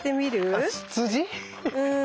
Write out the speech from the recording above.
うん。